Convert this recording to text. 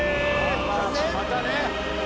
またね。